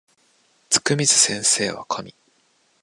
つくみず先生は神